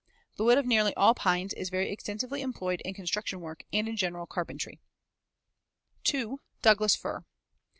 The wood of nearly all pines is very extensively employed in construction work and in general carpentry. 2. Douglas fir.